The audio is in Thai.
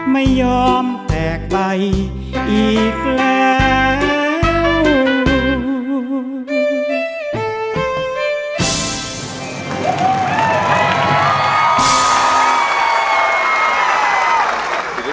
ไม่ยอมแพกใบอีกแล้ว